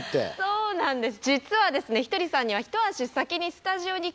そうなんです。